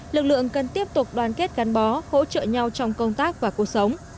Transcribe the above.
lực lượng cần tiếp tục đoàn kết gắn bó hỗ trợ nhau trong công tác và cuộc sống